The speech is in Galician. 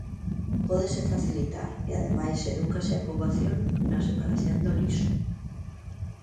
Pódese facilitar, e ademais edúcase a poboación na separación do lixo.